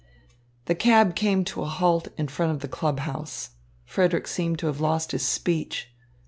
The cab came to a halt in front of the club house. Frederick seemed to have lost his speech.